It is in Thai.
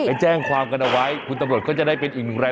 ไปแจ้งความกันเอาไว้คุณตำรวจก็จะได้เป็นอีกหนึ่งราย